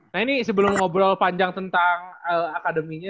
nah ini sebelum ngobrol panjang tentang akademinya